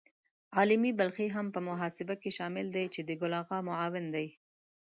عالمي بلخي هم په محاسبه کې شامل دی چې د ګل آغا معاون دی.